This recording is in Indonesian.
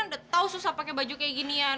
udah tau susah pakai baju kayak ginian